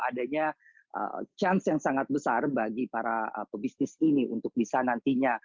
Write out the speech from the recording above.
adanya chance yang sangat besar bagi para pebisnis ini untuk bisa nantinya